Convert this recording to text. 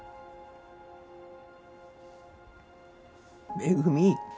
めぐみ。